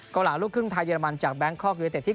เกาหล่าลูกครึ่งไทยเยอรมันจากแบงค์คอร์กยูเอเตส